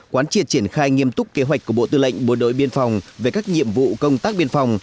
quán triệt triển khai nghiêm túc kế hoạch của bộ tư lệnh bộ đội biên phòng về các nhiệm vụ công tác biên phòng